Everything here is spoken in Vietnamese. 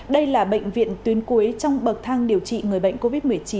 đây là bệnh viện tuyến cuối trong bậc thang điều trị người bệnh covid một mươi chín